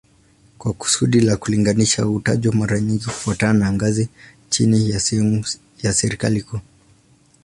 Kwa kusudi la kulinganisha hutajwa mara nyingi kufuatana na ngazi chini ya serikali kuu